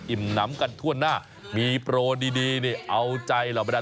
อิ่มน้ำกันถ้วนหน้ามีโปรดีเอาใจหลอกไปได้